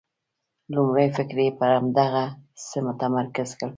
لومړی فکر یې پر همدغه څه متمرکز کړ.